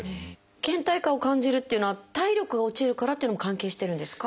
けん怠感を感じるっていうのは体力が落ちるからっていうのも関係してるんですか？